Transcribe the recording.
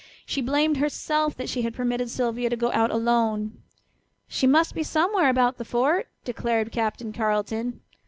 She blamed herself that she had permitted Sylvia to go out alone. "She must be somewhere about the fort," declared Captain Carleton.